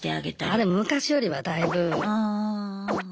でも昔よりはだいぶ。